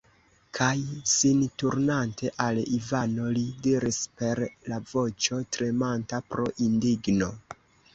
Kaj, sin turnante al Ivano, li diris per la voĉo, tremanta pro indigno.